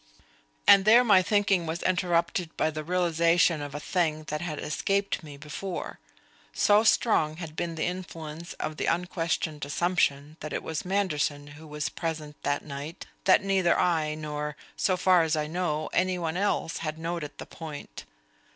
And there my thinking was interrupted by the realization of a thing that had escaped me before. So strong had been the influence of the unquestioned assumption that it was Manderson who was present that night, that neither I nor, so far as I know, any one else had noted the point.